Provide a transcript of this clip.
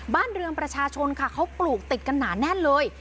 บ้านเรือนประชาชนค่ะเขาปลูกติดกันหนาแน่นเลย